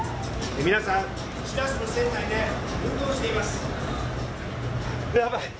皆さん、しらせの船内で運動しています。